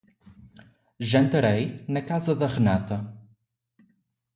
Jantarei na casa da Renata.